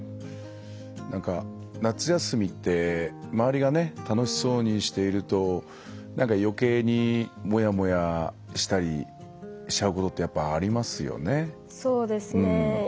なんか、夏休みって周りが楽しそうにしているとなんかよけいにもやもやしたりしちゃうことってありますよね。